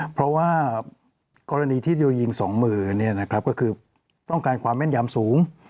เพราะว่ากรณีที่จะยิงสองมือนี่นะครับก็คือต้องการความแม่นยามสูง